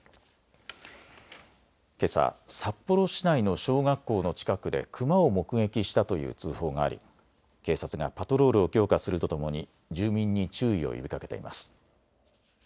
けさ札幌市内の小学校の近くでクマを目撃したという通報があり警察がパトロールを強化するとともに住民に注意を呼びかけています。